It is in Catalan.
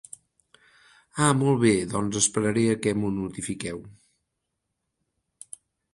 Ah molt bé, doncs esperaré a que m'ho notifiqueu.